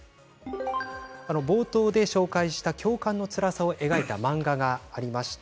冒頭で紹介した、共感のつらさを描いた漫画がありました。